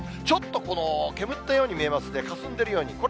ちょっと煙ったように見えますね、かすんでいるように。